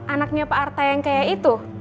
anaknya pak arta yang kayak itu